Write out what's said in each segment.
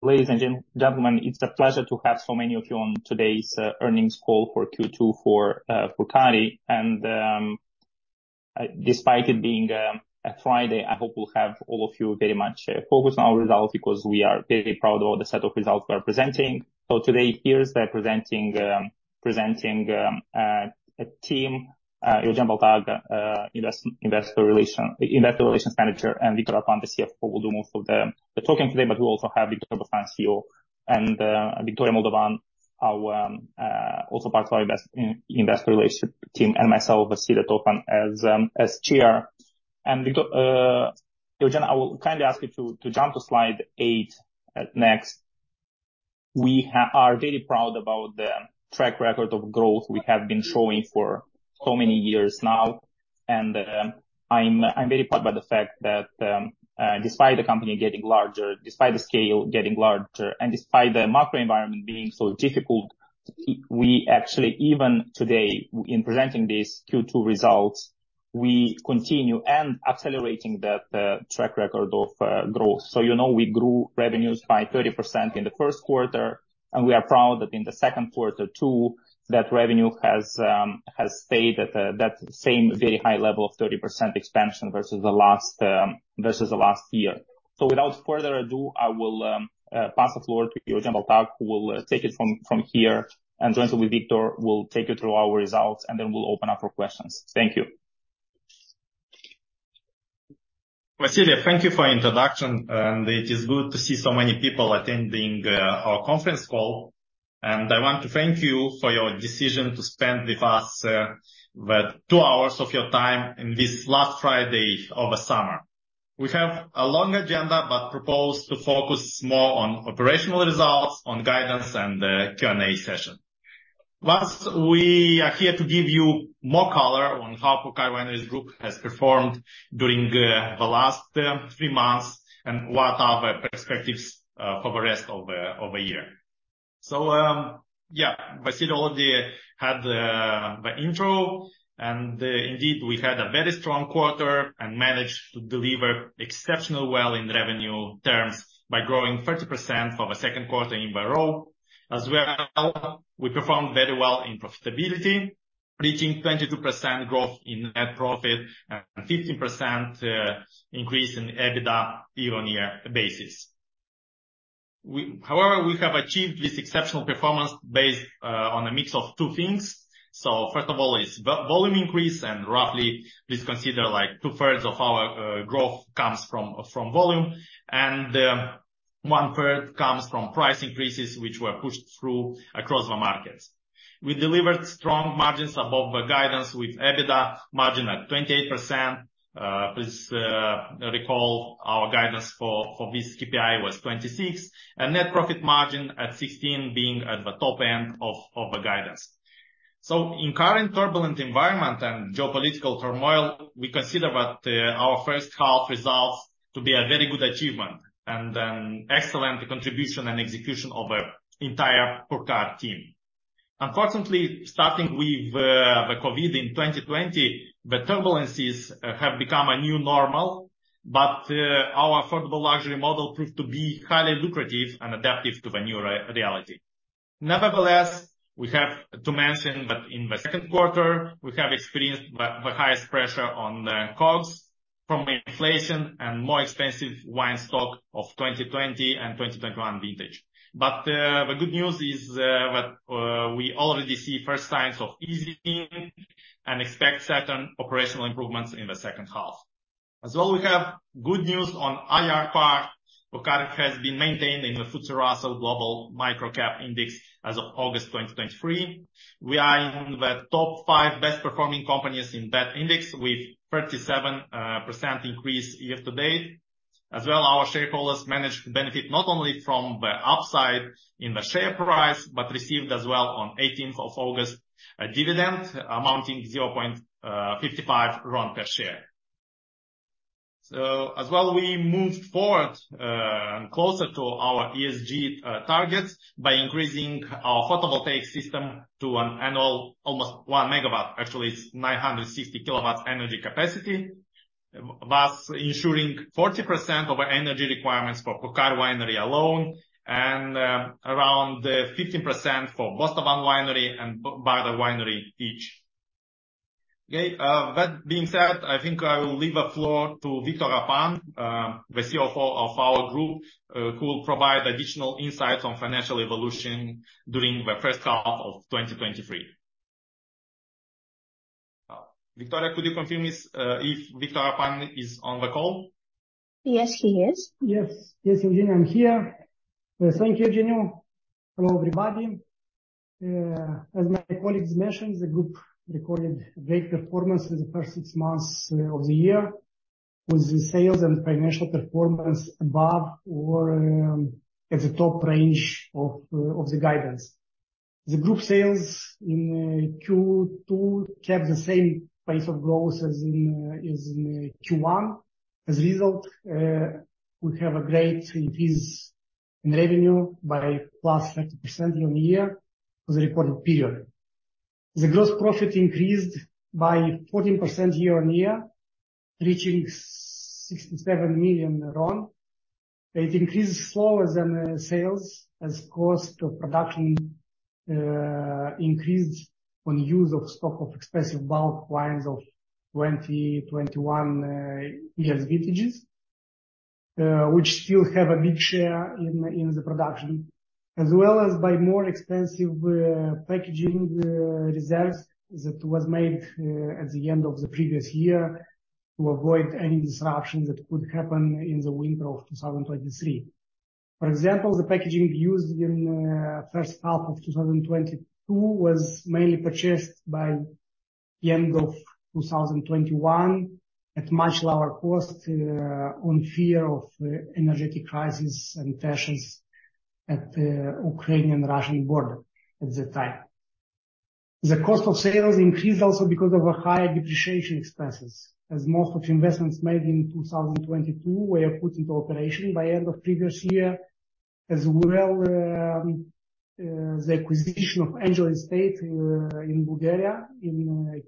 Ladies and gentlemen, it's a pleasure to have so many of you on today's earnings call for Q2 for Purcari. And despite it being a Friday, I hope we'll have all of you very much focused on our results, because we are very proud of the set of results we are presenting. So today, here's the presenting team, Eugeniu Baltag, Investor Relations Manager, and Victor Arapan, the CFO, will do most of the talking today. But we also have Victor, the CFO, and Victoria Moldovan, our also part of our Investor Relations team, and myself, Vasile Tofan, as chair. And Victor, Eugen, I will kindly ask you to jump to slide eight next. We are very proud about the track record of growth we have been showing for so many years now. And I'm very proud by the fact that, despite the company getting larger, despite the scale getting larger, and despite the macro environment being so difficult, we actually, even today, in presenting these Q2 results, we continue and accelerating the track record of growth. So, you know, we grew revenues by 30% in the first quarter, and we are proud that in the second quarter, too, that revenue has stayed at that same very high level of 30% expansion versus the last year. So without further ado, I will pass the floor to Eugeniu Baltag, who will take it from here. And jointly with Victor, will take you through our results, and then we'll open up for questions. Thank you. Vasile, thank you for introduction, and it is good to see so many people attending our conference call. I want to thank you for your decision to spend with us the two hours of your time in this last Friday of the summer. We have a long agenda, but propose to focus more on operational results, on guidance, and the Q&A session. Once we are here to give you more color on how Purcari Wineries Group has performed during the last three months, and what are the perspectives for the rest of the year. So, yeah, Vasile already had the intro, and indeed, we had a very strong quarter and managed to deliver exceptional well in revenue terms by growing 30% for the second quarter in a row. As well, we performed very well in profitability, reaching 22% growth in net profit and 15% increase in EBITDA year-on-year basis. However, we have achieved this exceptional performance based on a mix of two things. So first of all, is volume increase, and roughly, please consider, like, two-thirds of our growth comes from volume, and one-third comes from price increases, which were pushed through across the markets. We delivered strong margins above the guidance, with EBITDA margin at 28%. Please recall, our guidance for this KPI was 26%, and net profit margin at 16% being at the top end of the guidance. So in current turbulent environment and geopolitical turmoil, we consider that our first half results to be a very good achievement and an excellent contribution and execution of the entire Purcari team. Unfortunately, starting with the COVID in 2020, the turbulences have become a new normal, but our affordable luxury model proved to be highly lucrative and adaptive to the new reality. Nevertheless, we have to mention that in the second quarter, we have experienced the highest pressure on the costs from inflation and more expensive wine stock of 2020 and 2021 vintage. But the good news is that we already see first signs of easing and expect certain operational improvements in the second half. As well, we have good news on IR part. Purcari has been maintained in the FTSE Russell Global Micro-Cap Index as of August 2023. We are in the top five best performing companies in that index, with 37% increase year to date. As well, our shareholders managed to benefit not only from the upside in the share price, but received as well, on eighteenth of August, a dividend amounting 0.55 RON per share. So as well, we moved forward and closer to our ESG targets by increasing our photovoltaic system to an annual, almost 1 MW. Actually, it's 960 kW energy capacity, thus ensuring 40% of our energy requirements for Château Purcari Winery alone, and around 15% for Bostavan Winery and Bardar Winery each. Okay, that being said, I think I will leave the floor to Victor Arapan, the CFO of our group, who will provide additional insights on financial evolution during the first half of 2023. Victoria, could you confirm if Victor Arapan is on the call? Yes, he is. Yes. Yes, Eugeniu, I'm here. Thank you, Eugeniu. Hello, everybody. As my colleagues mentioned, the group recorded great performance in the first six months of the year, with the sales and financial performance above or at the top range of the guidance. The group sales in Q2 kept the same pace of growth as in Q1. As a result, we have a great increase in revenue by +30% year-on-year for the recorded period. The gross profit increased by 14% year-on-year, reaching RON 67 million. It increases slower than sales as cost of production increased on use of stock of expensive bulk wines of 2021 year's vintages, which still have a big share in the production, as well as by more expensive packaging reserves that was made at the end of the previous year to avoid any disruption that could happen in the winter of 2023. For example, the packaging used in first half of 2022 was mainly purchased by the end of 2021 at much lower cost on fear of energetic crisis and tensions at the Ukrainian-Russian border at the time. The cost of sales increased also because of a higher depreciation expenses, as most of the investments made in 2022 were put into operation by end of previous year, as well, the acquisition of Angel's Estate in Bulgaria in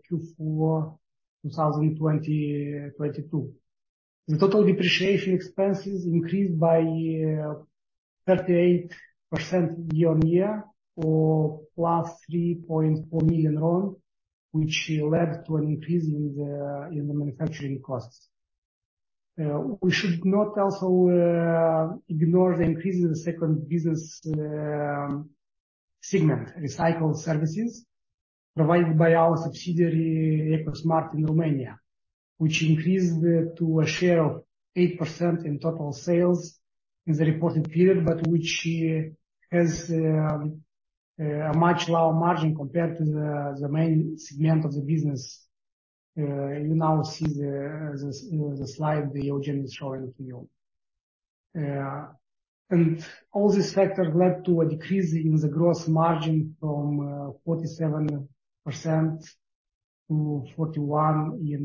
Q4 2022. The total depreciation expenses increased by 38% year-on-year or +3.4 million RON, which led to an increase in the manufacturing costs. We should not also ignore the increase in the second business segment, recycled services, provided by our subsidiary, EcoSmart, in Romania, which increased to a share of 8% in total sales in the reported period, but which has a much lower margin compared to the main segment of the business. You now see the slide that Eugeniu is showing to you. All these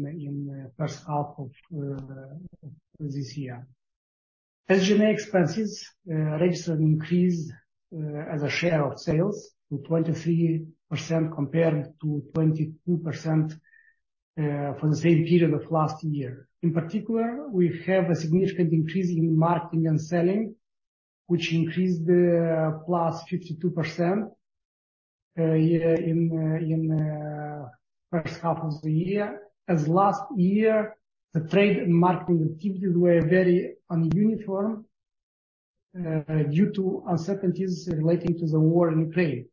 factors led to a decrease in the gross margin from 47%-41% in the first half of this year. SG&A expenses registered an increase as a share of sales to 23% compared to 22% for the same period of last year. In particular, we have a significant increase in marketing and selling, which increased +52% year in the first half of the year. As last year, the trade and marketing activities were very ununiform due to uncertainties relating to the war in Ukraine.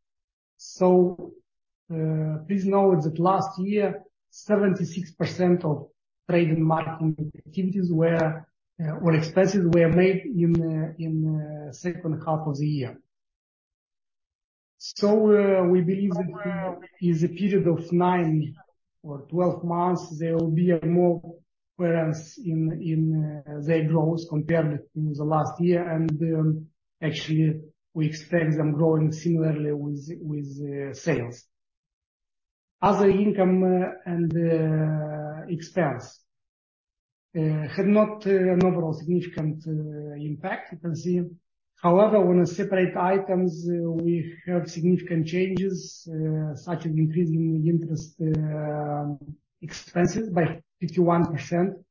Please note that last year, 76% of trade and marketing activities or expenses were made in the second half of the year. So, we believe that in the period of nine or 12 months, there will be a more variance in their growth compared to the last year, and, actually, we expect them growing similarly with sales. Other income and expense had not an overall significant impact, you can see. However, on a separate items, we have significant changes, such as increase in interest expenses by 51%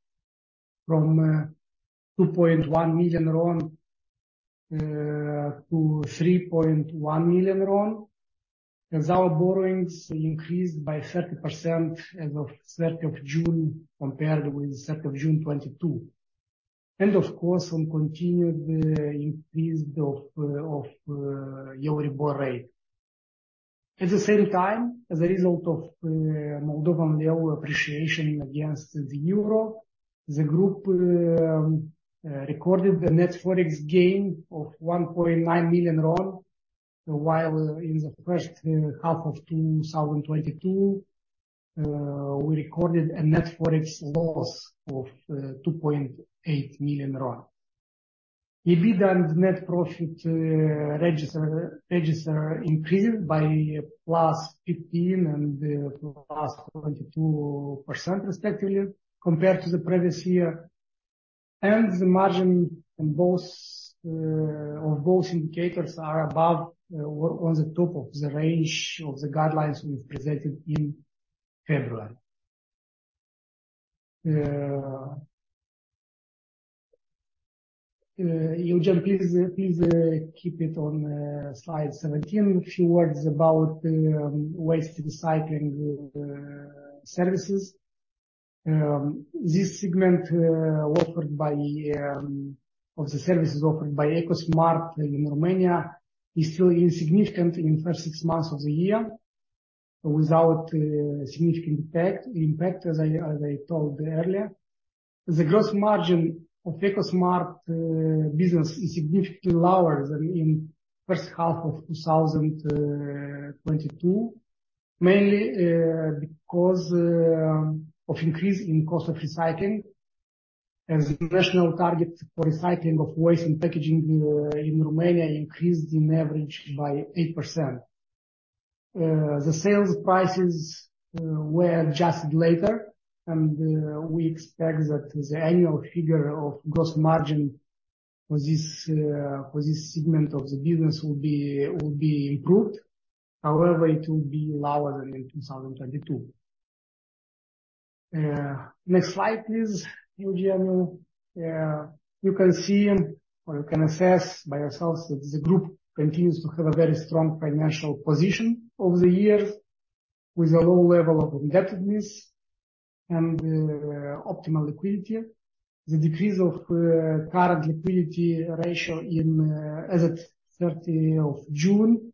from RON 2.1 million-RON 3.1 million, as our borrowings increased by 30% as of 3rd of June, compared with 3rd of June 2022, and of course, on continued increase of EURIBOR rate. At the same time, as a result of Moldovan leu appreciation against the euro, the group recorded a net Forex gain of RON 1.9 million, while in the first half of 2022, we recorded a net Forex loss of RON 2.8 million. EBITDA and net profit register increased by +15% and +22% respectively, compared to the previous year. The margin in both of both indicators are above or on the top of the range of the guidelines we've presented in February. Eugeniu, please keep it on slide 17. A few words about waste recycling services. This segment of the services offered by EcoSmart in Romania is still insignificant in the first six months of the year, without significant impact, as I told earlier. The gross margin of EcoSmart business is significantly lower than in the first half of 2022, mainly because of increase in cost of recycling as the national target for recycling of waste and packaging in Romania increased in average by 8%. The sales prices were adjusted later, and we expect that the annual figure of gross margin for this segment of the business will be improved. However, it will be lower than in 2022. Next slide, please, Eugeniu. You can see or you can assess by yourselves that the group continues to have a very strong financial position over the years, with a low level of indebtedness and optimal liquidity. The decrease of current liquidity ratio as at 30th June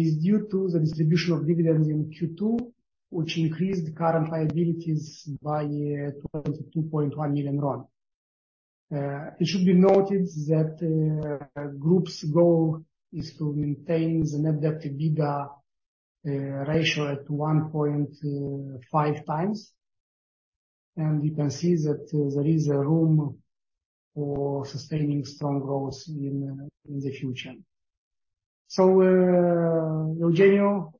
is due to the distribution of dividends in Q2, which increased current liabilities by 22.1 million RON. It should be noted that the group's goal is to maintain the net debt to EBITDA ratio at 1.5 times. You can see that there is a room for sustaining strong growth in the future. So, Eugeniu, the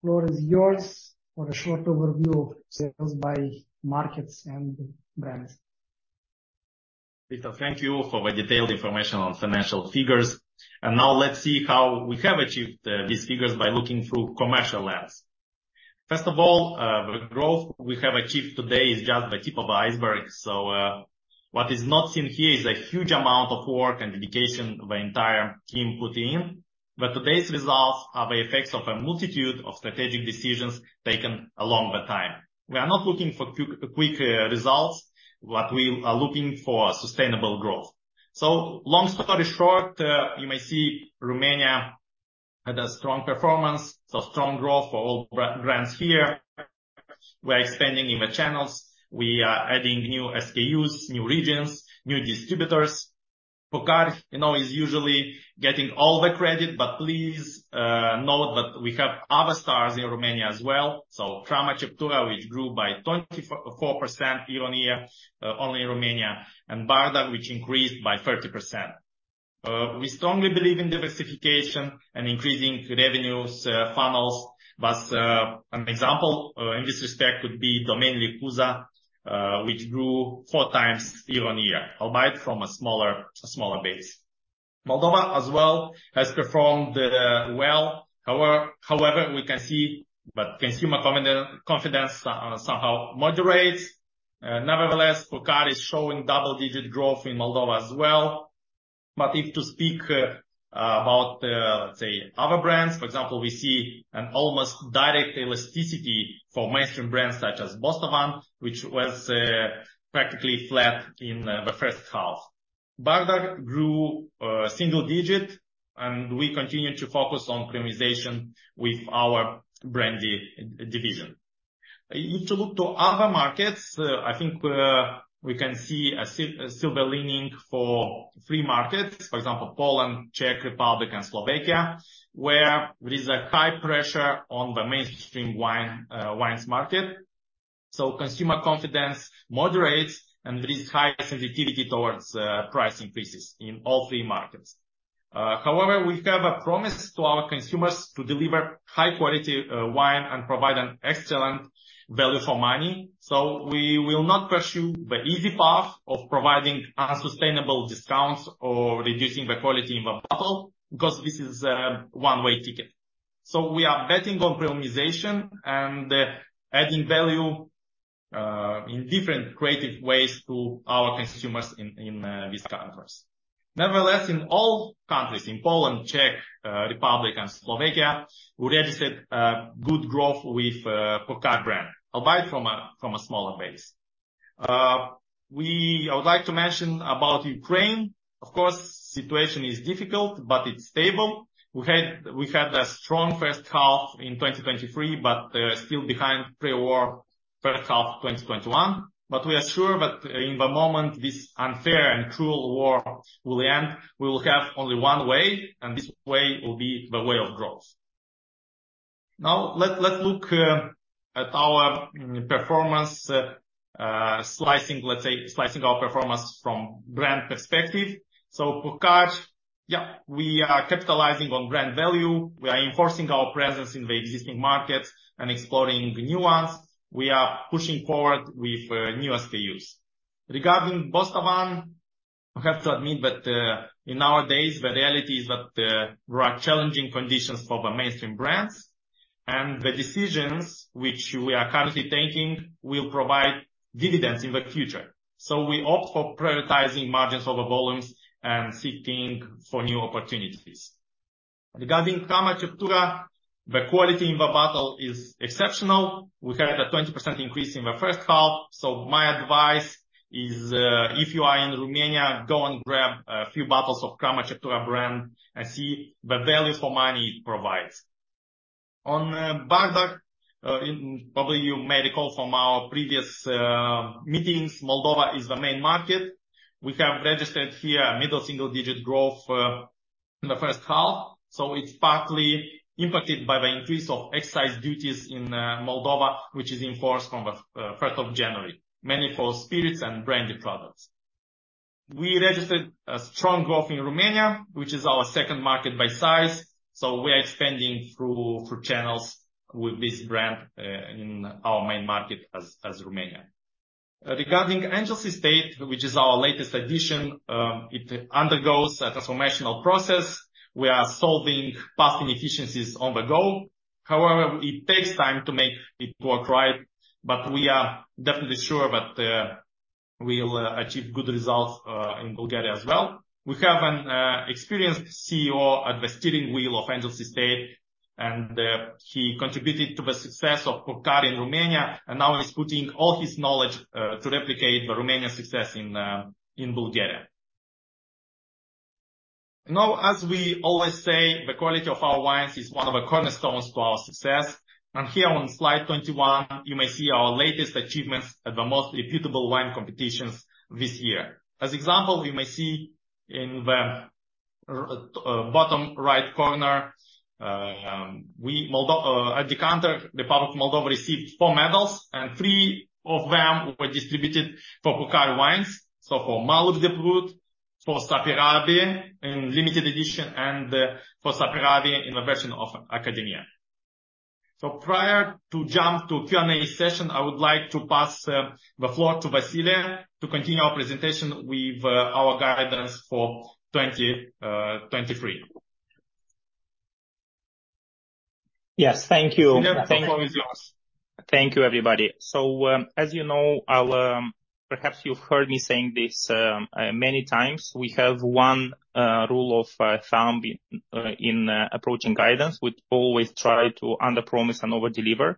floor is yours for a short overview of sales by markets and brands. Victor, thank you for the detailed information on financial figures. And now let's see how we have achieved these figures by looking through commercial lens. First of all, the growth we have achieved today is just the tip of the iceberg. So, what is not seen here is a huge amount of work and dedication the entire team put in. But today's results are the effects of a multitude of strategic decisions taken along the time. We are not looking for quick results, but we are looking for sustainable growth. So long story short, you may see Romania had a strong performance, so strong growth for all brands here. We're expanding in the channels. We are adding new SKUs, new regions, new distributors. Purcari, you know, is usually getting all the credit, but please note that we have other stars in Romania as well. So Crama Ceptura, which grew by 24% year-on-year only in Romania, and Bardar, which increased by 30%. We strongly believe in diversification and increasing revenues funnels. But an example in this respect would be Domeniile Cuza, which grew four times year-on-year, albeit from a smaller base. Moldova as well has performed well. However, we can see that consumer confidence somehow moderates. Nevertheless, Purcari is showing double-digit growth in Moldova as well. But if to speak about, let's say, other brands, for example, we see an almost direct elasticity for mainstream brands such as Bostavan, which was practically flat in the first half. Bardar grew single digit, and we continue to focus on premiumization with our brandy division. If you look to other markets, I think we can see a silver lining for three markets. For example, Poland, Czech Republic and Slovakia, where there is high pressure on the mainstream wine wines market. So consumer confidence moderates, and there is high sensitivity towards price increases in all three markets. However, we have a promise to our consumers to deliver high quality wine and provide an excellent value for money. So we will not pursue the easy path of providing unsustainable discounts or reducing the quality in the bottle, because this is a one-way ticket. So we are betting on premiumization and adding value in different creative ways to our consumers in these countries. Nevertheless, in all countries, in Poland, Czech Republic and Slovakia, we registered good growth with Purcari brand, albeit from a smaller base. I would like to mention about Ukraine. Of course, situation is difficult, but it's stable. We had a strong first half in 2023, but still behind pre-war, first half 2021. But we are sure that in the moment, this unfair and cruel war will end, we will have only one way, and this way will be the way of growth. Now, let's look at our performance, slicing, let's say, slicing our performance from brand perspective. So Purcari, yeah, we are capitalizing on brand value. We are enforcing our presence in the existing markets and exploring new ones. We are pushing forward with new SKUs. Regarding Bostavan, I have to admit that, in our days, the reality is that, there are challenging conditions for the mainstream brands, and the decisions which we are currently taking will provide dividends in the future. So we opt for prioritizing margins over volumes and seeking for new opportunities. Regarding Crama Ceptura, the quality in the bottle is exceptional. We had a 20% increase in the first half. So my advice is, if you are in Romania, go and grab a few bottles of Crama Ceptura brand and see the values for money it provides. On, Bardar, in probably you may recall from our previous, meetings, Moldova is the main market. We have registered here a middle single-digit growth in the first half, so it's partly impacted by the increase of excise duties in Moldova, which is in force from the first of January, mainly for spirits and brandy products. We registered a strong growth in Romania, which is our second market by size. So we are expanding through channels with this brand in our main market as Romania. Regarding Angel's Estate, which is our latest addition, it undergoes a transformational process. We are solving past inefficiencies on the go. However, it takes time to make it work right, but we are definitely sure that we'll achieve good results in Bulgaria as well. We have an experienced CEO at the steering wheel of Angel's Estate, and he contributed to the success of Purcari in Romania, and now he's putting all his knowledge to replicate the Romanian success in in Bulgaria. Now, as we always say, the quality of our wines is one of the cornerstones to our success, and here on slide 21, you may see our latest achievements at the most reputable wine competitions this year. As example, you may see in the bottom right corner, at Decanter, the Republic of Moldova received four medals, and three of them were distributed for Bostavan wines. So for Maluri de Prut, for Saperavi in Limited Edition, and for Saperavi in the version of Academia. Prior to jump to Q&A session, I would like to pass the floor to Vasile to continue our presentation with our guidance for 2023. Yes, thank you. The floor is yours. Thank you, everybody. So, as you know, perhaps you've heard me saying this many times, we have one rule of thumb in approaching guidance. We always try to underpromise and overdeliver.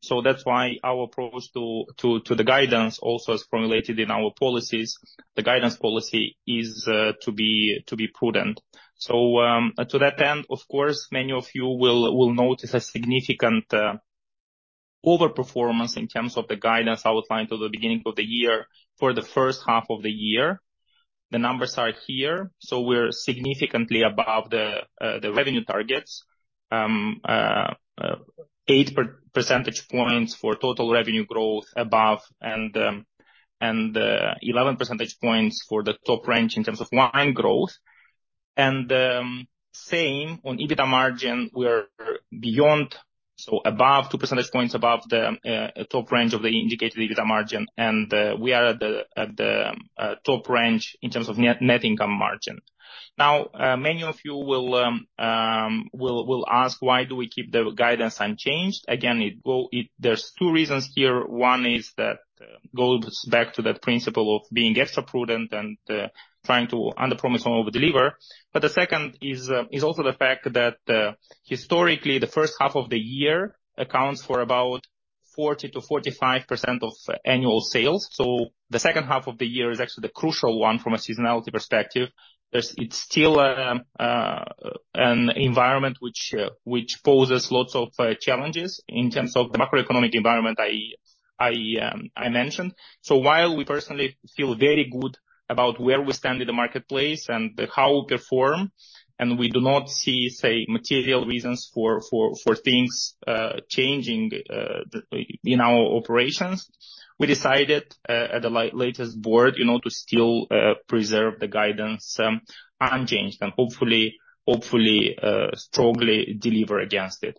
So that's why our approach to the guidance also as formulated in our policies, the guidance policy is to be prudent. So, to that end, of course, many of you will notice a significant overperformance in terms of the guidance outlined to the beginning of the year for the first half of the year. The numbers are here, so we're significantly above the revenue targets. 8 percentage points for total revenue growth above, and 11 percentage points for the top range in terms of wine growth. Same on EBITDA margin, we are beyond, so above two percentage points above the top range of the indicated EBITDA margin, and we are at the top range in terms of net income margin. Now, many of you will ask, why do we keep the guidance unchanged? Again, there's two reasons here. One is that goes back to that principle of being extra prudent and trying to underpromise and overdeliver. But the second is also the fact that historically, the first half of the year accounts for about 40%-45% of annual sales. So the second half of the year is actually the crucial one from a seasonality perspective. It's still an environment which poses lots of challenges in terms of the macroeconomic environment I mentioned. So while we personally feel very good about where we stand in the marketplace and how we perform, and we do not see, say, material reasons for things changing in our operations, we decided at the latest board, you know, to still preserve the guidance unchanged and hopefully strongly deliver against it.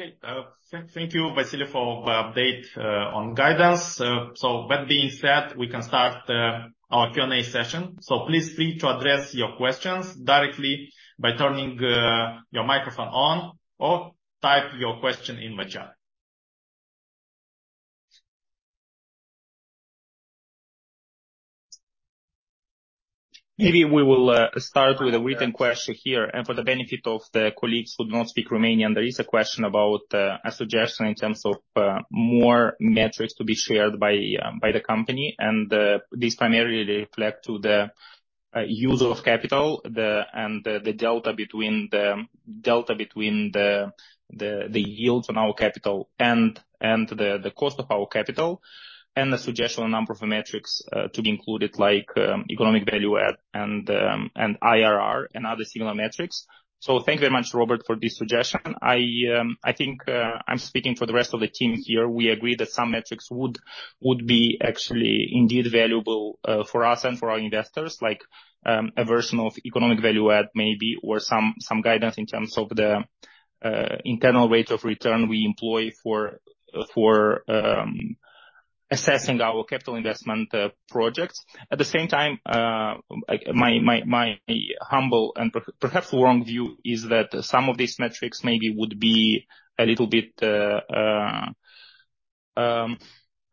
Okay. Thank you, Vasile, for the update on guidance. So that being said, we can start our Q&A session. So please feel free to address your questions directly by turning your microphone on or type your question in the chat. Maybe we will start with a written question here. And for the benefit of the colleagues who do not speak Romanian, there is a question about a suggestion in terms of more metrics to be shared by the company, and this primarily reflect to the use of capital, the delta between the yields on our capital and the cost of our capital, and the suggestion on number of metrics to be included, like Economic Value Added and IRR, and other similar metrics. So thank you very much, Robert, for this suggestion. I, I think, I'm speaking for the rest of the team here, we agree that some metrics would be actually indeed valuable, for us and for our investors, like, a version of economic value add maybe, or some guidance in terms of the internal rate of return we employ for assessing our capital investment projects. At the same time, like my humble and perhaps wrong view, is that some of these metrics maybe would be a little bit,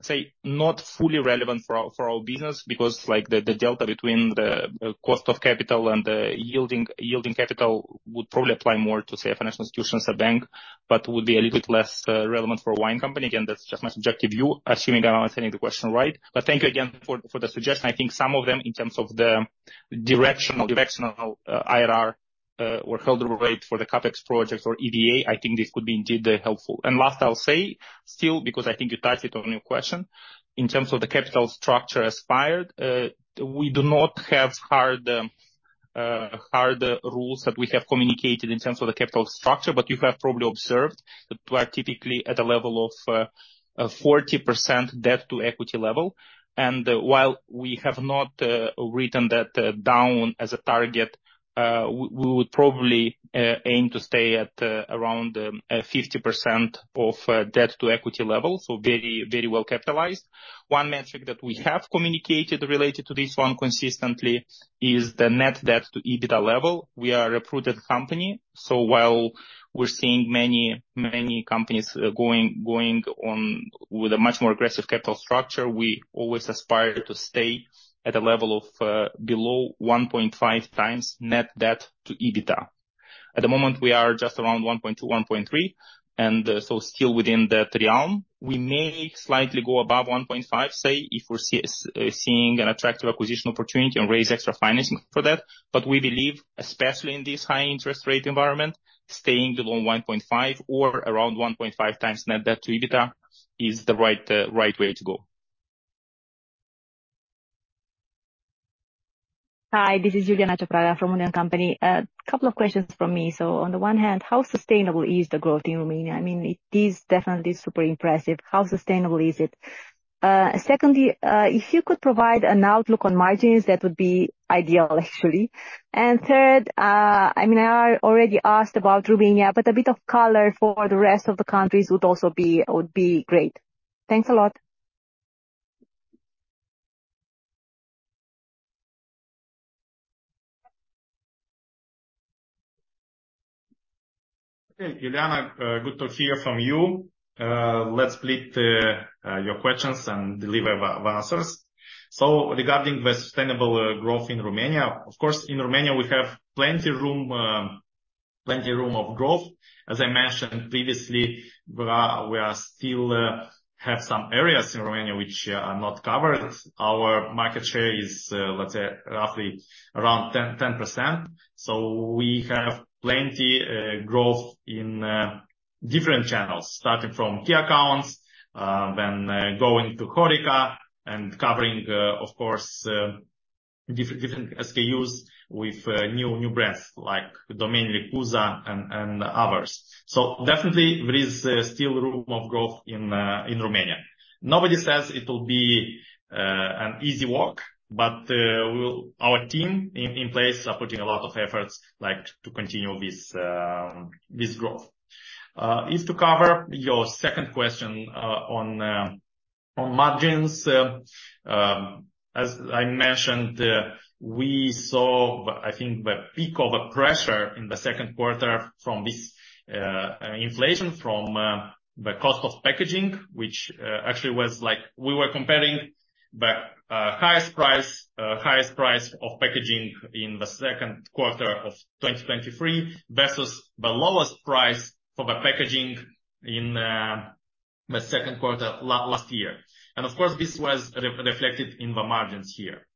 say, not fully relevant for our business, because, like, the delta between the cost of capital and the yielding capital would probably apply more to, say, a financial institution as a bank, but would be a little bit less relevant for a wine company. Again, that's just my subjective view, assuming I'm understanding the question right. But thank you again for the suggestion. I think some of them, in terms of the directional IRR or hurdle rate for the CapEx projects or EBITDA, I think this could be indeed helpful. And last, I'll say, still, because I think you touched it on your question, in terms of the capital structure as filed, we do not have hard rules that we have communicated in terms of the capital structure, but you have probably observed that we are typically at a level of 40% debt to equity level. While we have not written that down as a target, we would probably aim to stay at around 50% debt to equity level, so very, very well capitalized. One metric that we have communicated related to this one consistently is the net debt to EBITDA level. We are a prudent company, so while we're seeing many, many companies going on with a much more aggressive capital structure, we always aspire to stay at a level of below 1.5 times net debt to EBITDA. At the moment, we are just around 1.2, 1.3, and so still within that realm. We may slightly go above 1.5, say, if we're seeing an attractive acquisition opportunity and raise extra financing for that. But we believe, especially in this high interest rate environment, staying below 1.5 or around 1.5 times Net Debt to EBITDA is the right, right way to go. Hi, this is Iuliana Ciopraga from Wood & Company. A couple of questions from me. So on the one hand, how sustainable is the growth in Romania? I mean, it is definitely super impressive. How sustainable is it? Secondly, if you could provide an outlook on margins, that would be ideal, actually. And third, I mean, I already asked about Romania, but a bit of color for the rest of the countries would also be great. Thanks a lot. Hey, Iuliana, good to hear from you. Let's split your questions and deliver the answers. So regarding the sustainable growth in Romania, of course, in Romania, we have plenty room of growth. As I mentioned previously, we still have some areas in Romania which are not covered. Our market share is, let's say, roughly around 10%, so we have plenty growth in different channels, starting from key accounts, then going to HORECA and covering, of course, different SKUs with new brands like Domeniile Cuza and others. So definitely there is still room of growth in Romania. Nobody says it will be an easy walk, but we'll—our team in place are putting a lot of efforts, like, to continue this this growth. If to cover your second question, on on margins, as I mentioned, we saw the, I think the peak of the pressure in the second quarter from this inflation, from the cost of packaging, which, actually was like we were comparing the highest price, highest price of packaging in the second quarter of 2023 versus the lowest price for the packaging in the second quarter last year. And of course, this was reflected in the margins here.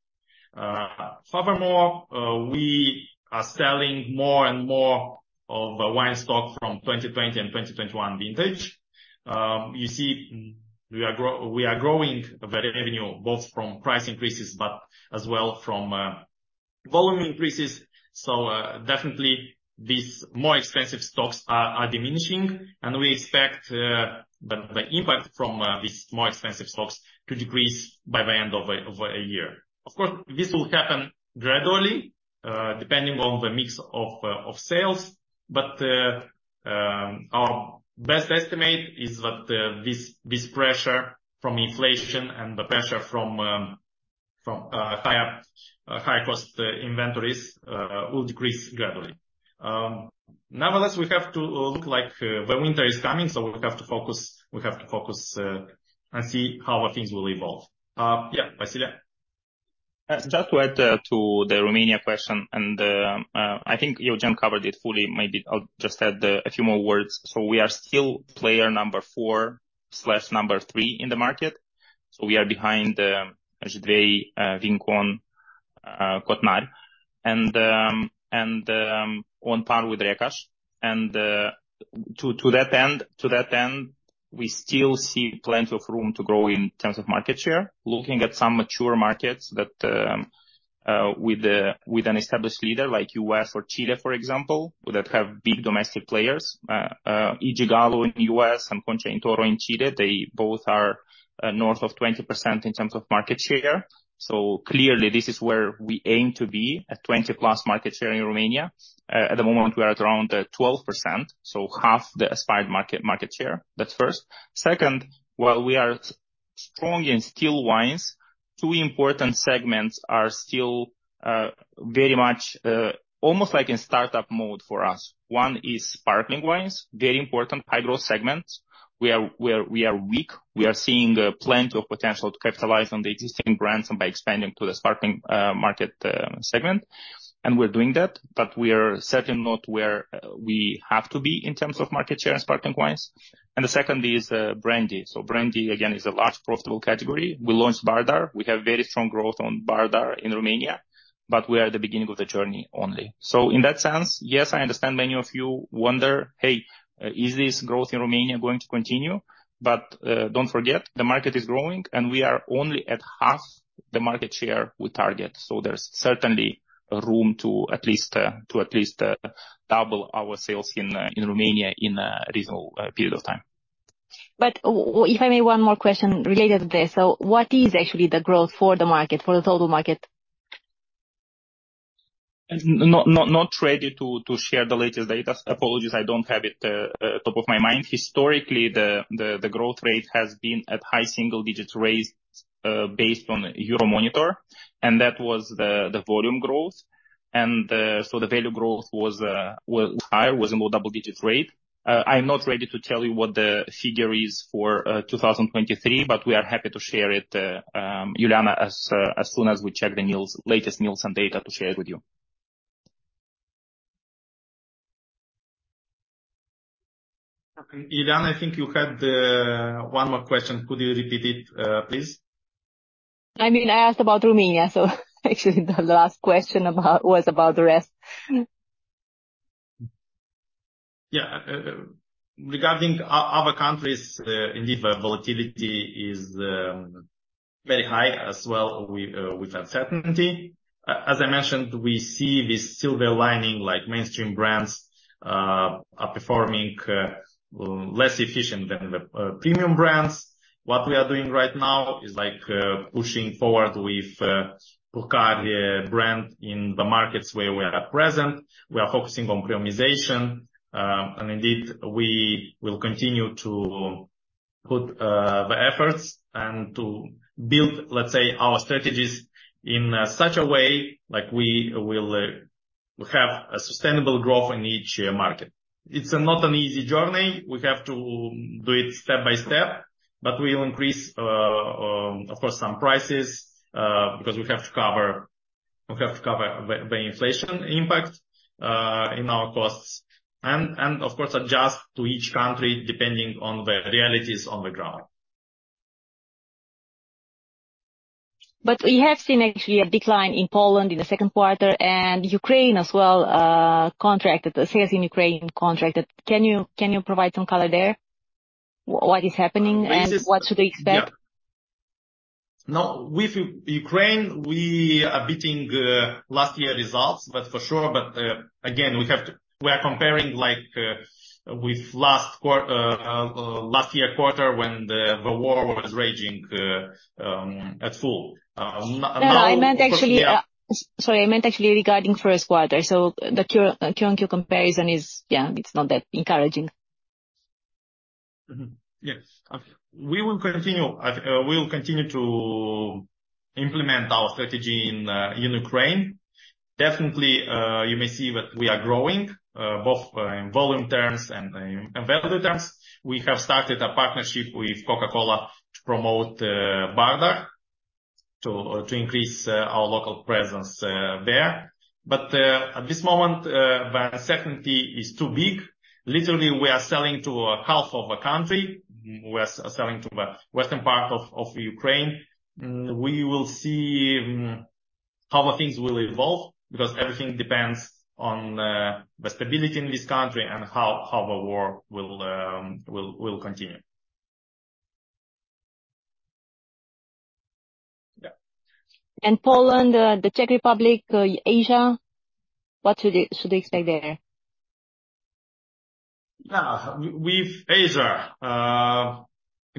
Furthermore, we are selling more and more of the wine stock from 2020 and 2021 vintage. You see, we are growing the revenue both from price increases, but as well from volume increases. So, definitely these more expensive stocks are diminishing, and we expect the impact from these more expensive stocks to decrease by the end of a year. Of course, this will happen gradually, depending on the mix of sales, but our best estimate is that this pressure from inflation and the pressure from high cost inventories will decrease gradually. Nonetheless, we have to look like the winter is coming, so we have to focus and see how things will evolve. Yeah, Vasile? Just to add to the Romania question, and I think Eugen covered it fully. Maybe I'll just add a few more words. So we are still player number four/number three in the market. So we are behind Jidvei, Vincon, Cotnari, and on par with Recaș. And to that end, we still see plenty of room to grow in terms of market share. Looking at some mature markets that with an established leader like U.S. or Chile, for example, that have big domestic players, E. & J. Gallo in the U.S., and Concha y Toro in Chile, they both are north of 20% in terms of market share. So clearly, this is where we aim to be, at 20+ market share in Romania. At the moment, we are at around 12%, so half the aspired market, market share. That's first. Second, while we are strong in still wines, two important segments are still very much almost like in startup mode for us. One is sparkling wines, very important, high-growth segment. We are, we are, we are weak. We are seeing plenty of potential to capitalize on the existing brands and by expanding to the sparkling market segment. And we're doing that, but we are certainly not where we have to be in terms of market share in sparkling wines. And the second is the brandy. So brandy, again, is a large profitable category. We launched Bardar. We have very strong growth on Bardar in Romania, but we are at the beginning of the journey only. So in that sense, yes, I understand many of you wonder, "Hey, is this growth in Romania going to continue?" But, don't forget, the market is growing, and we are only at half, the market share we target. So there's certainly room to at least double our sales in Romania in a reasonable period of time. But if I may, one more question related to this. So what is actually the growth for the market, for the total market? And not ready to share the latest data. Apologies, I don't have it top of my mind. Historically, the growth rate has been at high single digits rates, based on Euromonitor, and that was the volume growth. And so the value growth was higher, was more double digits rate. I'm not ready to tell you what the figure is for 2023, but we are happy to share it, Iuliana, as soon as we check the latest news and data to share it with you. Iuliana, I think you had one more question. Could you repeat it, please? I mean, I asked about Romania, so actually, the last question was about the rest. Yeah. Regarding other countries, indeed, the volatility is very high as well with with uncertainty. As I mentioned, we see this silver lining, like mainstream brands are performing less efficient than the premium brands. What we are doing right now is, like, pushing forward with Purcari brand in the markets where we are at present. We are focusing on premiumization. And indeed, we will continue to put the efforts and to build, let's say, our strategies in such a way, like we will have a sustainable growth in each market. It's not an easy journey. We have to do it step by step, but we will increase, of course, some prices, because we have to cover the inflation impact in our costs, and of course, adjust to each country depending on the realities on the ground. But we have seen actually a decline in Poland in the second quarter, and Ukraine as well, contracted. The sales in Ukraine contracted. Can you provide some color there? What is happening? Uh, this is- What should we expect? Yeah. Now, with Ukraine, we are beating last year results, but for sure, but, again, we have to... We are comparing, like, with last quarter, when the war was raging at full. Now, now- No, I meant actually, Yeah. Sorry, I meant actually regarding first quarter. So the quarter-on-quarter comparison is, yeah, it's not that encouraging. Mm-hmm. Yes. We will continue, we will continue to implement our strategy in, in Ukraine. Definitely, you may see that we are growing, both, in volume terms and, and value terms. We have started a partnership with Coca-Cola to promote, Bardar, to, to increase, our local presence, there. But, at this moment, the uncertainty is too big. Literally, we are selling to half of the country. We are selling to the western part of, of Ukraine. Mm, we will see, mm, how the things will evolve, because everything depends on, the stability in this country and how, how the war will, will, will continue. Yeah. Poland, the Czech Republic, Asia, what should they expect there? Yeah. With Asia,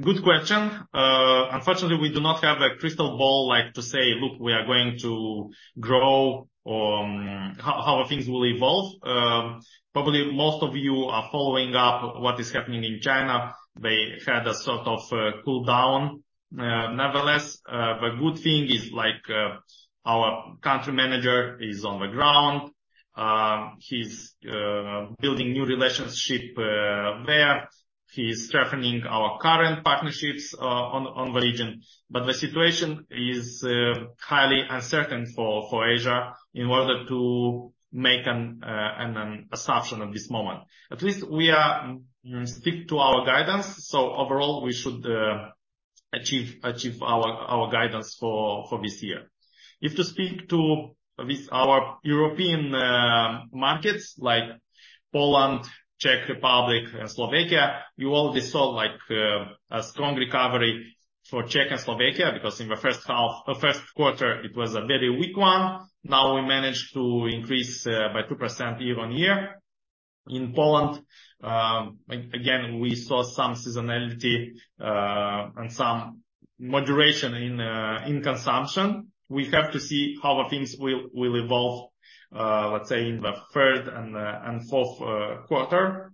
good question. Unfortunately, we do not have a crystal ball, like to say, "Look, we are going to grow," how things will evolve. Probably most of you are following up what is happening in China. They had a sort of cool down. Nevertheless, the good thing is, like, our country manager is on the ground. He's building new relationship there. He's strengthening our current partnerships on the region. But the situation is highly uncertain for Asia in order to make an assumption at this moment. At least we are stick to our guidance. So overall, we should achieve our guidance for this year. If to speak to, with our European markets like Poland, Czech Republic and Slovakia, you already saw, like, a strong recovery for Czech and Slovakia, because in the first half, first quarter, it was a very weak one. Now we managed to increase by 2% year-on-year. In Poland, again, we saw some seasonality and some moderation in in consumption. We have to see how the things will evolve, let's say, in the third and and fourth quarter.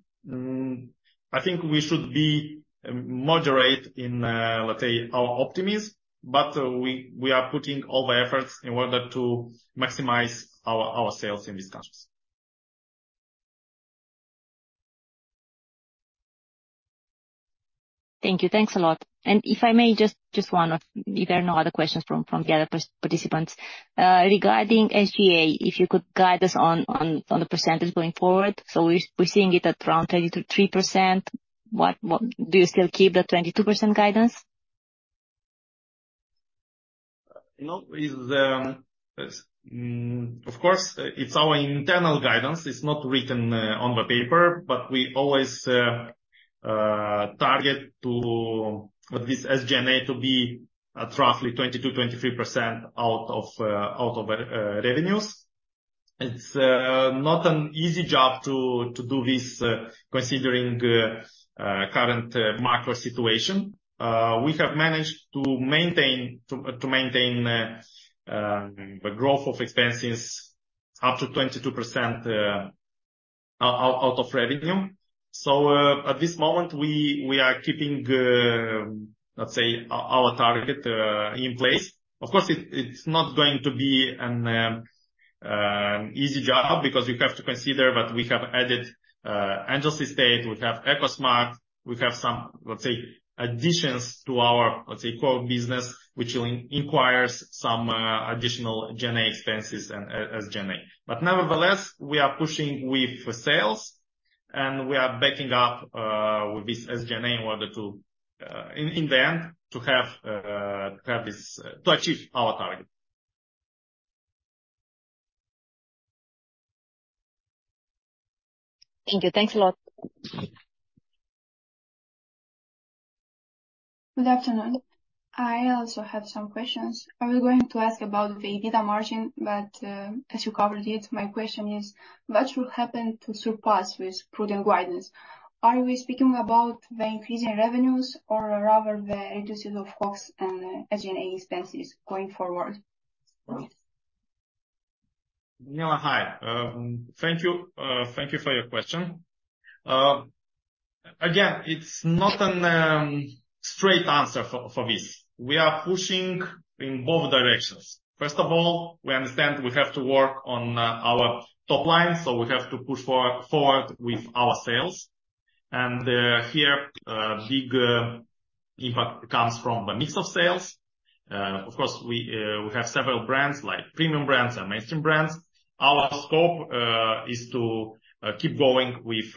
I think we should be moderate in, let's say, our optimism, but we are putting all the efforts in order to maximize our sales in these countries. Thank you. Thanks a lot. If I may, just one—if there are no other questions from the other participants. Regarding SG&A, if you could guide us on the percentage going forward. So we're seeing it at around 30%-33%. What... Do you still keep the 22% guidance? You know, yes, of course, it's our internal guidance. It's not written on the paper, but we always target for this SG&A to be at roughly 20%-23% out of revenues. It's not an easy job to do this considering the current macro situation. We have managed to maintain the growth of expenses up to 22% out of revenue. So, at this moment, we are keeping, let's say, our target in place. Of course, it's not going to be an easy job because you have to consider that we have added Angel's Estate, we have EcoSmart. We have some, let's say, additions to our, let's say, core business, which will incur some additional G&A expenses and SG&A. But nevertheless, we are pushing with the sales, and we are backing up with this SG&A in order to, in the end, to have this to achieve our target. Thank you. Thanks a lot. Good afternoon. I also have some questions. I was going to ask about the EBITDA margin, but, as you covered it, my question is: What will happen to surpass this prudent guidance? Are we speaking about the increase in revenues or rather the reduction of costs and SG&A expenses going forward? No, hi. Thank you. Thank you for your question. Again, it's not a straight answer for this. We are pushing in both directions. First of all, we understand we have to work on our top line, so we have to push forward with our sales. And here, a big impact comes from the mix of sales. Of course, we have several brands, like premium brands and mainstream brands. Our scope is to keep going with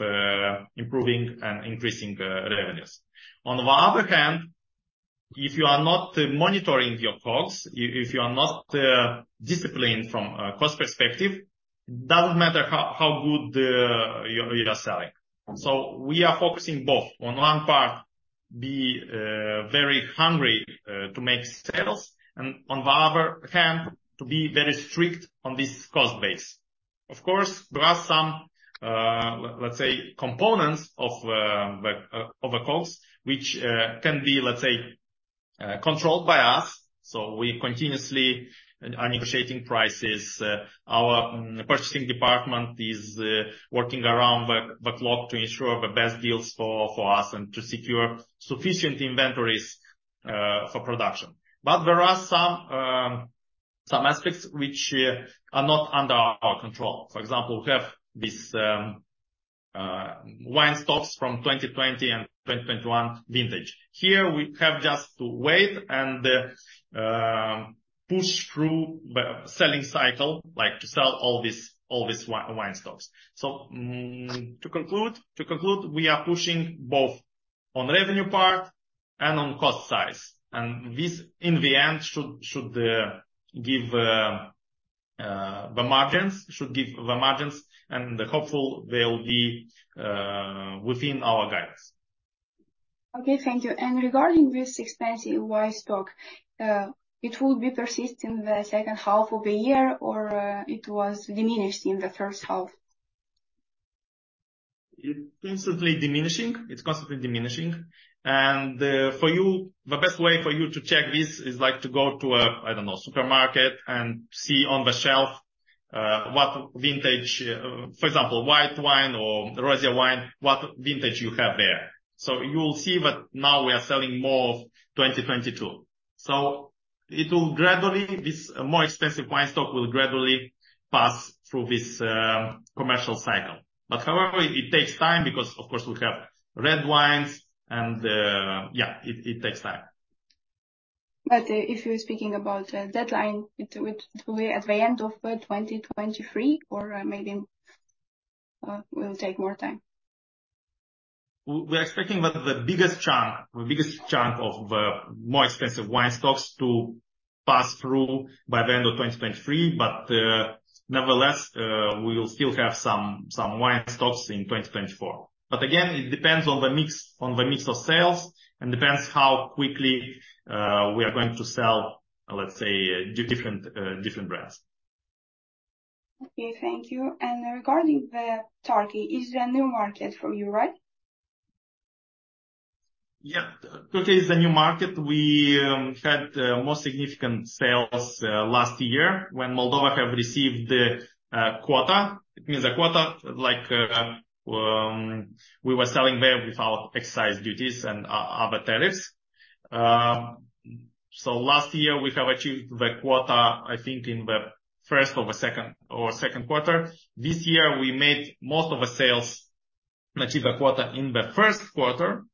improving and increasing revenues. On the other hand, if you are not monitoring your costs, if you are not disciplined from a cost perspective, it doesn't matter how good you are selling. So we are focusing both. On one hand, be very hungry to make sales and on the other hand, to be very strict on this cost base. Of course, there are some, let's say, components of the costs, which can be, let's say, controlled by us. So we continuously are negotiating prices. Our purchasing department is working around the clock to ensure the best deals for us and to secure sufficient inventories for production. But there are some aspects which are not under our control. For example, we have this wine stocks from 2020 and 2021 vintage. Here, we have just to wait and push through the selling cycle, like to sell all these wine stocks. So, to conclude, we are pushing both on revenue part and on cost side. And this, in the end, should give the margins and hopefully, they will be within our guidance. Okay, thank you. Regarding this expensive wine stock, it will be persist in the second half of the year or it was diminished in the first half? It's constantly diminishing. It's constantly diminishing. And for you, the best way for you to check this is, like, to go to a, I don't know, supermarket and see on the shelf what vintage, for example, white wine or rose wine, what vintage you have there. So you will see that now we are selling more of 2022. So it will gradually, this more expensive wine stock will gradually pass through this commercial cycle. But however, it takes time because, of course, we have red wines and, yeah, it takes time. But, if you're speaking about deadline, it will be at the end of 2023, or maybe will take more time? We're expecting that the biggest chunk of more expensive wine stocks to pass through by the end of 2023, but nevertheless, we will still have some wine stocks in 2024. But again, it depends on the mix of sales, and depends how quickly we are going to sell, let's say, different brands. Okay, thank you. Regarding Turkey, is there a new market for you, right? Yeah. Turkey is the new market. We had more significant sales last year when Moldova have received the quota. It means the quota, like, we were selling there without excise duties and other tariffs. So last year we have achieved the quota, I think in the first or the second, or second quarter. This year, we made most of the sales to achieve the quota in the first quarter,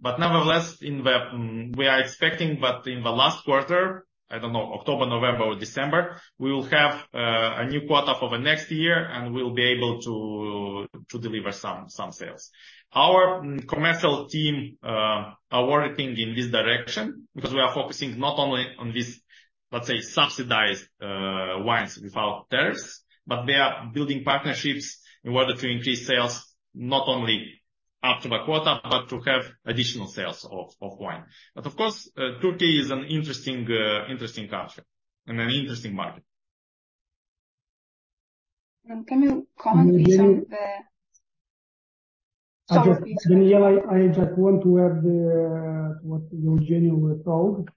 but nevertheless, we are expecting that in the last quarter, I don't know, October, November or December, we will have a new quota for the next year, and we'll be able to deliver some sales. Our commercial team are working in this direction because we are focusing not only on this, let's say, subsidized wines without tariffs, but they are building partnerships in order to increase sales, not only after the quota, but to have additional sales of, of wine. But of course, Turkey is an interesting interesting country and an interesting market. Can you comment with some, I just- Sorry, please. Daniela, I just want to add what Eugeniu told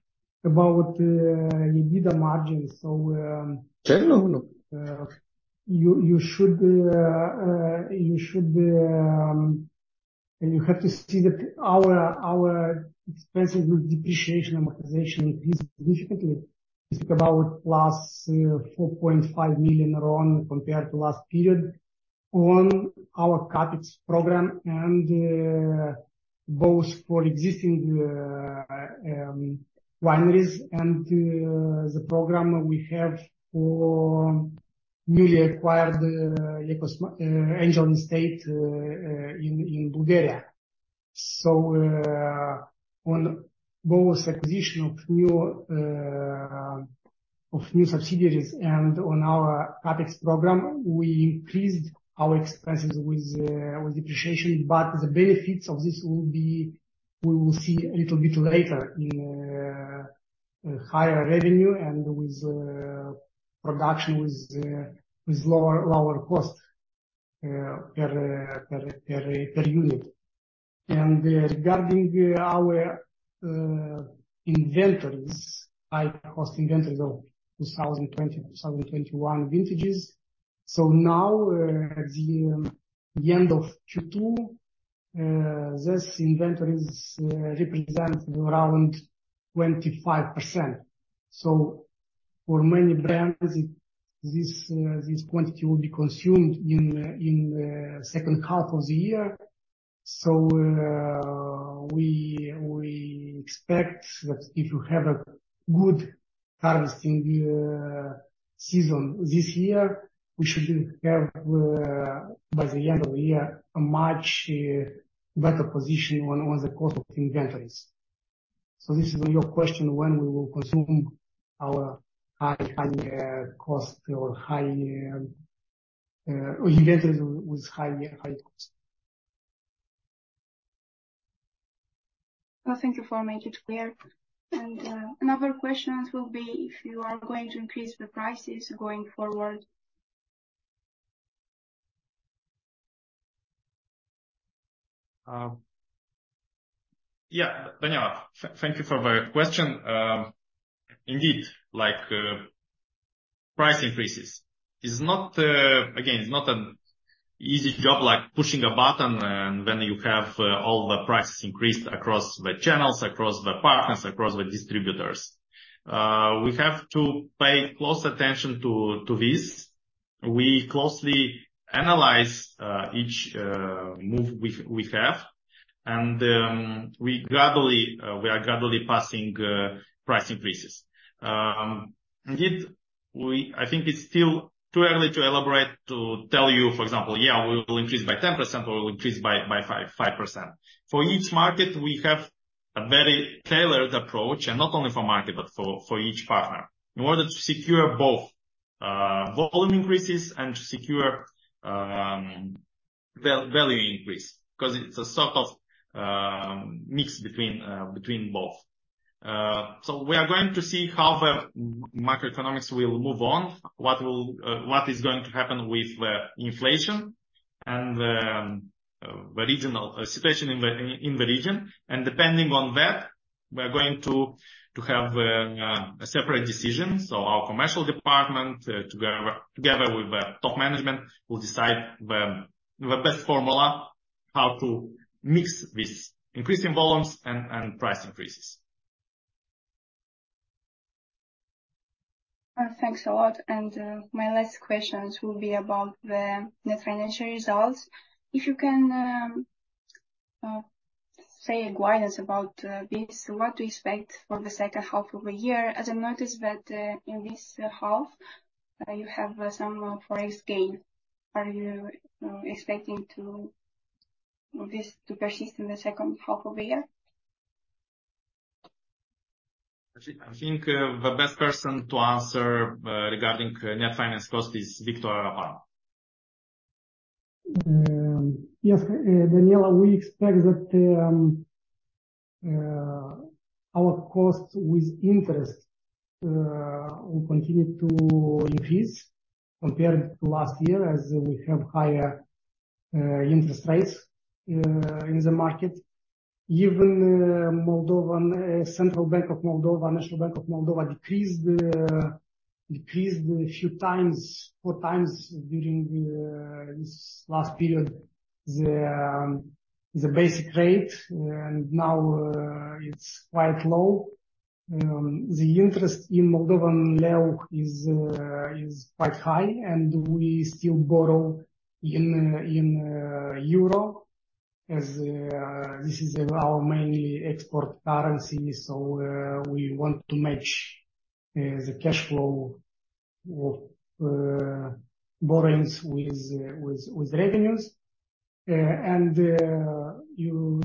about EBITDA margins. So, Sure. No, no. And you have to see that our expenses with depreciation amortization increased significantly. It's about plus RON 4.5 million compared to last period on our CapEx program and both for existing wineries and the program we have for newly acquired Angel's Estate in Bulgaria. So, on both acquisition of new subsidiaries and on our CapEx program, we increased our expenses with depreciation, but the benefits of this will be, we will see a little bit later in higher revenue and with production with lower cost per unit. And regarding our inventories, high cost inventories of 2020, 2021 vintages. So now, at the end of Q2, these inventories represent around 25%. So for many brands, this quantity will be consumed in the second half of the year. So, we expect that if you have a good harvesting season this year, we should have, by the end of the year, a much better position on the cost of inventories. So this is your question, when we will consume our high cost or high inventories with high cost. Well, thank you for making it clear. Another question will be if you are going to increase the prices going forward? Yeah, Daniela, thank you for the question. Indeed, like, price increases is not, again, it's not an easy job, like pushing a button, and then you have all the prices increased across the channels, across the partners, across the distributors. We have to pay close attention to this. We closely analyze each move we have, and we gradually, we are gradually passing price increases. Indeed, we I think it's still too early to elaborate, to tell you, for example, yeah, we will increase by 10%, or we'll increase by 5%. For each market, we have a very tailored approach, and not only for market, but for each partner, in order to secure both volume increases and to secure value increase, 'cause it's a sort of mix between both. So we are going to see how the macroeconomics will move on, what is going to happen with the inflation and the regional situation in the region. And depending on that, we are going to have a separate decision. So our commercial department together with the top management will decide the best formula, how to mix this increasing volumes and price increases. Thanks a lot. And, my last questions will be about the net financial results. If you can, say a guidance about this, what to expect for the second half of the year. As I noticed that, in this half, you have some Forex gain? Are you expecting this to persist in the second half of the year? I think the best person to answer regarding net finance cost is Victor Arapan. Yes, Daniela, we expect that our costs with interest will continue to increase compared to last year, as we have higher interest rates in the market. Even the Central Bank of Moldova, National Bank of Moldova, decreased a few times, four times during this last period, the basic rate, and now it's quite low. The interest in Moldovan leu is quite high, and we still borrow in euro, as this is our main export currency. So we want to match the cash flow of borrowings with revenues. And you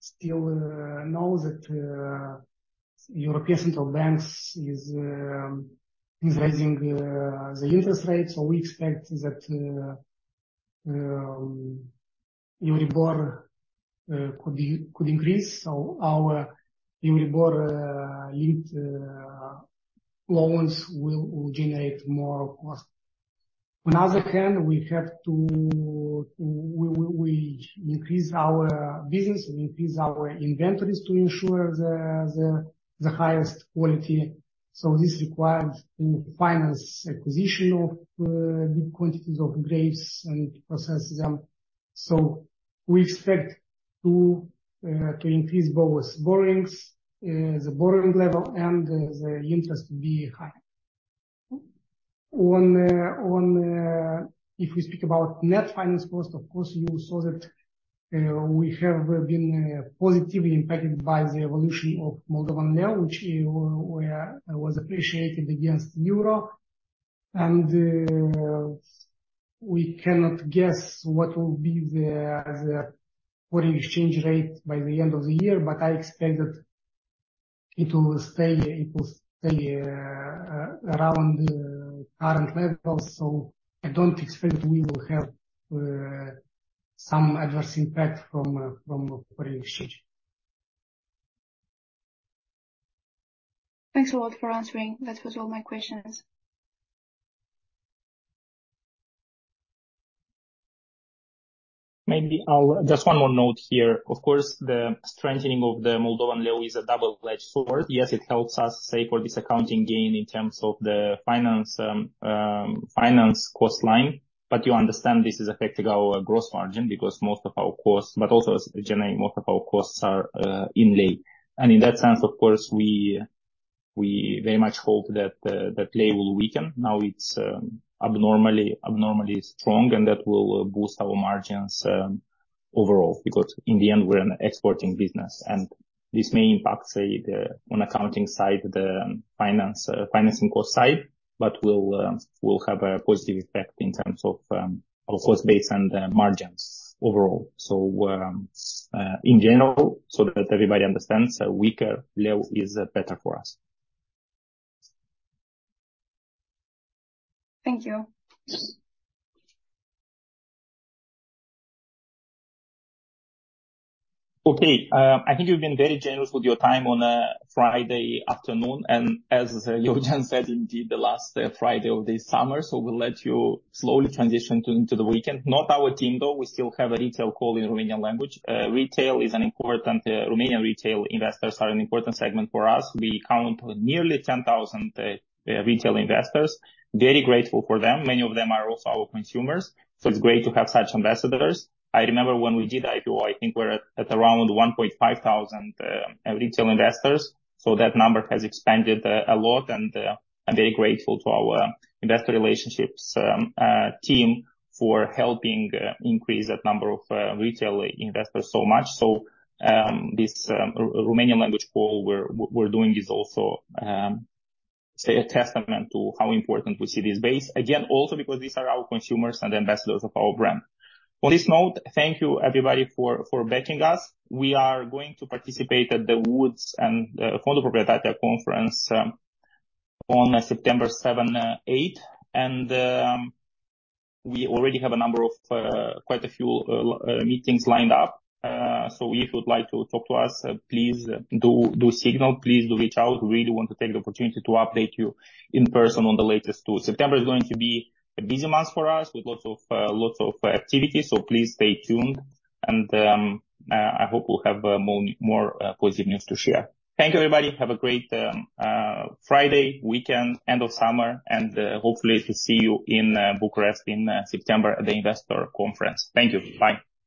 still know that European central banks is raising the interest rates. So we expect that EURIBOR could increase. So our EURIBOR linked loans will generate more cost. On the other hand, we have to increase our business, we increase our inventories to ensure the highest quality. So this requires in finance acquisition of big quantities of grapes and processes them. So we expect to increase both borrowings the borrowing level and the interest be high. On... If we speak about net finance cost, of course, you saw that we have been positively impacted by the evolution of Moldovan Leu, which was appreciated against euro. And we cannot guess what will be the foreign exchange rate by the end of the year, but I expect that it will stay around the current level. I don't expect we will have some adverse impact from foreign exchange. Thanks a lot for answering. That was all my questions. Maybe I'll just one more note here. Of course, the strengthening of the Moldovan leu is a double-edged sword. Yes, it helps us save for this accounting gain in terms of the finance cost line, but you understand this is affecting our gross margin because most of our costs, but also generally, most of our costs are in leu. And in that sense, of course, we very much hope that leu will weaken. Now, it's abnormally strong, and that will boost our margins overall, because in the end, we're an exporting business, and this may impact, say, the, on accounting side, the financing cost side, but will have a positive effect in terms of our cost base and margins overall. In general, so that everybody understands, a weaker leu is better for us. Thank you. Okay. I think you've been very generous with your time on a Friday afternoon, and as Eugen said, indeed, the last Friday of this summer, so we'll let you slowly transition to, into the weekend. Not our team, though. We still have a retail call in Romanian language. Retail is an important... Romanian retail investors are an important segment for us. We count nearly 10,000 retail investors. Very grateful for them. Many of them are also our consumers, so it's great to have such ambassadors. I remember when we did IPO, I think we're at, at around 1,500 retail investors, so that number has expanded a lot, and I'm very grateful to our investor relationships team for helping increase that number of retail investors so much. So, this Romanian language call we're doing is also a testament to how important we see this base. Again, also because these are our consumers and ambassadors of our brand. On this note, thank you, everybody, for backing us. We are going to participate at the Woods and for the proprietary conference on September 7th and 8th, and we already have a number of quite a few meetings lined up. So if you would like to talk to us, please do signal. Please do reach out. We really want to take the opportunity to update you in person on the latest, too. September is going to be a busy month for us, with lots of lots of activities, so please stay tuned, and I hope we'll have more more positive news to share. Thank you, everybody. Have a great Friday, weekend, end of summer, and hopefully to see you in Bucharest in September at the investor conference. Thank you. Bye.